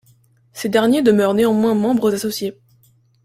Ces derniers demeurèrent néanmoins membres associés.